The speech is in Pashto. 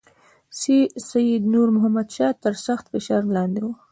سید نور محمد شاه تر سخت فشار لاندې وو.